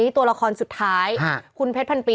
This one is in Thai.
ตัวละครสุดท้ายคุณเพชรพันปี